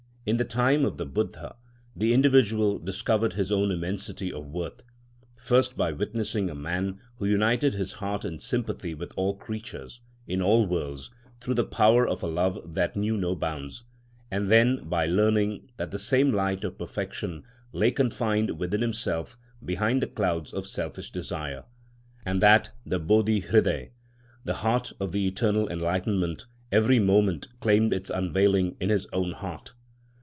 In the time of the Buddha the individual discovered his own immensity of worth, first by witnessing a man who united his heart in sympathy with all creatures, in all worlds, through the power of a love that knew no bounds; and then by learning that the same light of perfection lay confined within himself behind the clouds of selfish desire, and that the Bodhi hridaya—"the heart of the Eternal Enlightenment"—every moment claimed its unveiling in his own heart.